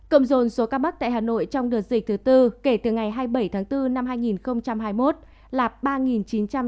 cộng dồn số ca mắc tại hà nội trong đợt dịch thứ tư kể từ ngày hai mươi bảy tháng bốn năm hai nghìn hai mươi một là ba chín trăm tám mươi ca